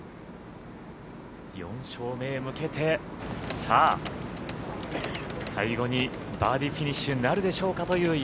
４勝目へ向けて最後にバーディーフィニッシュなるかという。